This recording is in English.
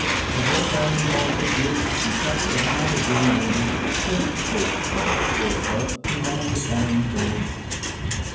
Oh, work on. boys! give deze shucks a mighty wringin' — (Hey O! Hi O! Up'n down de Bango!)